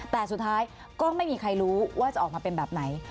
แต่สุดท้ายก็ไม่มีใครรู้ว่าจะออกมาเป็นแบบไหน